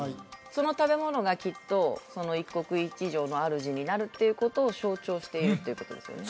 その食べ物がきっとその一国一城の主になるっていうことを象徴しているっていうことですよね？